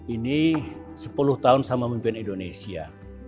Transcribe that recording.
ini sepuluh tahun sama mimpin indonesia